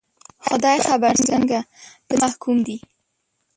خدای خبر څنګه، په څه محکوم دي